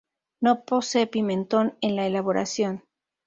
No posee pimentón en la elaboración.